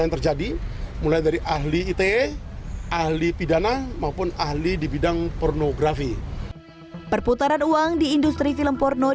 terjadi mulai dari ahli ite ahli pidana maupun ahli di bidang pornografi perputaran uang di industri film porno yang terjadi mulai dari ahli ite ahli pidana maupun ahli di bidang pornografi